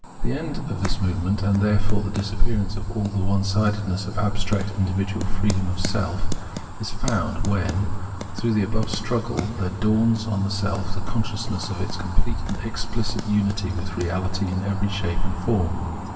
The end of this movement, and therefore the disappearance of all the onesidedness of abstract individual freedom of self, is found when, through the above struggle, there dawns on the self the consciousness of its complete and explicit unity with reality in every shape and form.